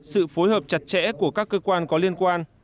sự phối hợp chặt chẽ của các cơ quan có liên quan